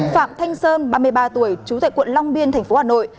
phạm thanh sơn ba mươi ba tuổi chủ tịch quận long biên tp hà nội